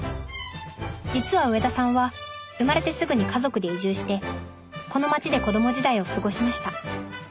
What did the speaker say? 実は上田さんは生まれてすぐに家族で移住してこの街で子供時代を過ごしました。